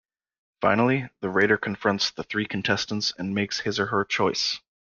Finally, the raider confronts the three contestants and makes his or her choice.